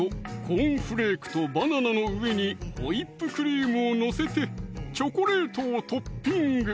コーンフレークとバナナの上にホイップクリームを載せてチョコレートをトッピング！